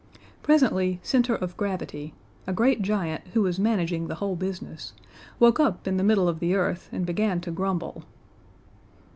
Presently Center of Gravity a great giant who was managing the whole business woke up in the middle of the earth and began to grumble.